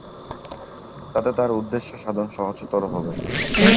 তাতে তার উদ্দেশ্য সাধন সহজতর হবে।